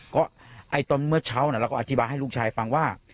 ก็ตอนเมื่อเช้าเราก็อธิบายให้ลูกชายฟังว่า